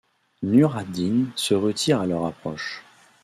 Nur ad-Din se retire à leur approche.